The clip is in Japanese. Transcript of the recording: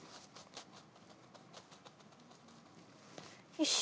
よし！